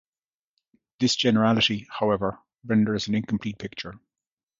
This generality, however, renders an incomplete picture.